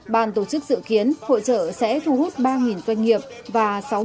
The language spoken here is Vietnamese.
ban tổ chức dự kiến hội trợ sẽ thu hút ba doanh nghiệp và sáu mươi người dân du khách